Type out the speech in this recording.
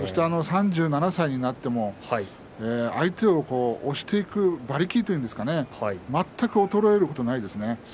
３７歳になっても相手を押していく馬力と言うんですかね全く衰えることがないですね。